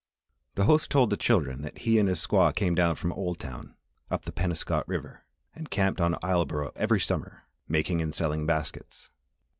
The host told the children that he and his squaw came down from Oldtown, up the Penobscot River, and camped on Isleboro every summer, making and selling baskets.